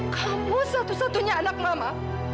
kamu satu satunya anak mama